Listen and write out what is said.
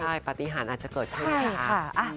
ใช่ปฏิหารอาจจะเกิดขึ้นนะคะ